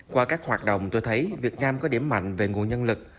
qua các hoạt động tôi thấy việt nam có điểm mạnh về nguồn nhân lực